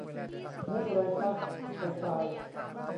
มุขไรฟะ ? ไปตาย